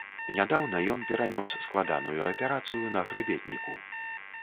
Нядаўна ён перанёс складаную аперацыю на хрыбетніку.